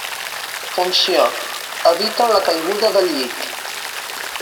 Funció: eviten la caiguda del llit.